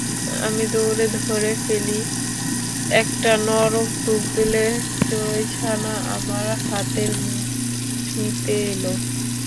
আমি দৌড়ে ধরে ফেলি—একটা নরম তুলতুলে চড়ুইছানা আমার হাতের মুঠিতে এল।